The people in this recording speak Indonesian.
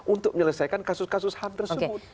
untuk menyelesaikan kasus kasus ham tersebut